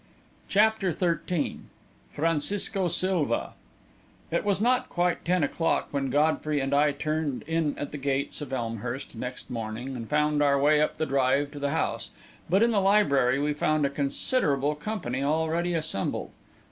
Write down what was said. CHAPTER XIII FRANCISCO SILVA It was not quite ten o'clock when Godfrey and I turned in at the gates of Elmhurst, next morning, and made our way up the drive to the house, but in the library we found a considerable company already assembled.